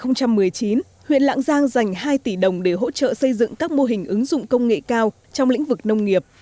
năm hai nghìn một mươi chín huyện lạng giang dành hai tỷ đồng để hỗ trợ xây dựng các mô hình ứng dụng công nghệ cao trong lĩnh vực nông nghiệp